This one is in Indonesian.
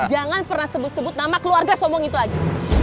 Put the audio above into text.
jangan pernah sebut sebut nama keluarga somong itu lagi